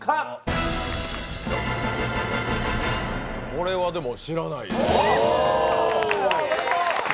これはでも知らないです。